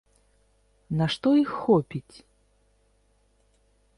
На што іх хопіць?